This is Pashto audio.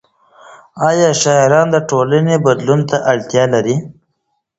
ايا شاعران د ټولنې د بدلون وړتیا لري؟